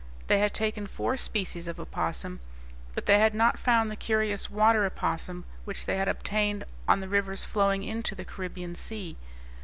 They had taken four species of opossum, but they had not found the curious water opossum which they had obtained on the rivers flowing into the Caribbean Sea.